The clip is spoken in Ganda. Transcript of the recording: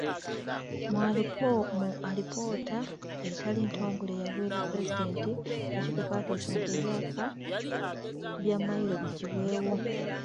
Mu alipoota etali ntongole eyaweebwa Pulezidenti, akakiiko kaateesa nti ebyapa bya Mmayiro biggyibwewo.